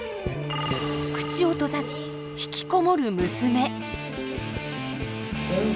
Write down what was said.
口を閉ざし引きこもる娘。